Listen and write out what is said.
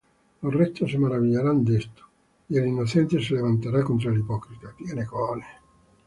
Los rectos se maravillarán de esto, Y el inocente se levantará contra el hipócrita.